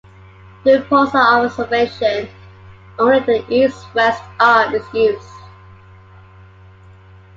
During pulsar observations, only the East-West arm is used.